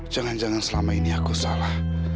jangan jangan selama ini aku salah